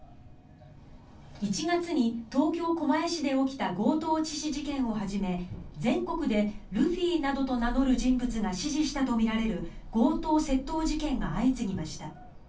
１月に東京・狛江市で起きた強盗致死事件をはじめ全国でルフィなどと名乗る人物が指示したとみられる強盗・窃盗事件が相次ぎました。